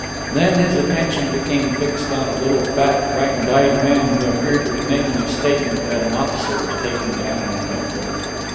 Then his attention became fixed on a little fat frightened eyed man who appeared to be making a statement that an officer was taking down in a notebook.